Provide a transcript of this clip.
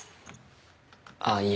あっいえ。